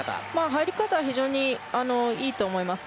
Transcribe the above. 入り方は非常にいいと思います。